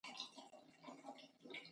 احمد ته درس لوستل د کیڼ لاس کار هم نه دی.